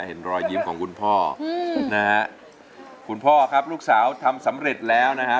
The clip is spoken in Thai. เห็นรอยยิ้มของคุณพ่อนะฮะคุณพ่อครับลูกสาวทำสำเร็จแล้วนะฮะ